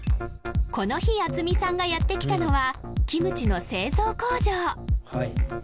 この日渥美さんがやって来たのはキムチの製造工場